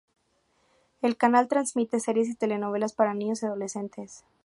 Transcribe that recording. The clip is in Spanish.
El canal transmite series y telenovelas para niños y adolescentes.